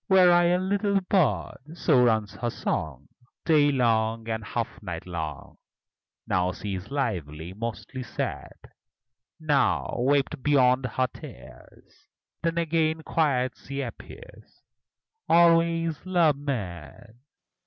"Were I a little bird!" so runs her song, Day long, and half night long. Now she is lively, mostly sad, Now, wept beyond her tears; Then again quiet she appears, Always love mad.